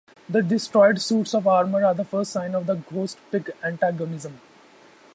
The destroyed suits of armor are the first sign of that ghost-pig antagonism.